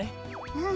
うん。